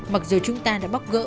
mặc dù chúng ta đã bóc gỡ